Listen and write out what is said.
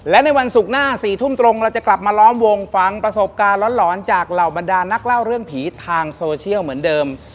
และในวันศุกร์หน้า๔ทุ่มตรงเราจะกลับมาล้อมวงฟังประสบการณ์หลอนจากเหล่าบรรดานักเล่าเรื่องผีทางโซเชียลเหมือนเดิม